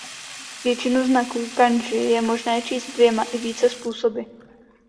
Většinu znaků kandži je možné číst dvěma i více způsoby.